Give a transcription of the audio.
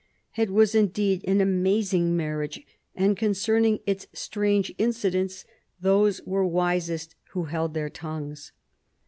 It was indeed an amazing marriage, and concerning its strange incidents, those were wisest who held their tongues.